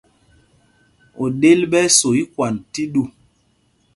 Oɗel ɓɛ́ ɛ́ so ikwand tí ɗu.